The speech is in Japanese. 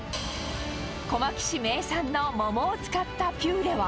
小牧市名産の桃を使ったピューレは。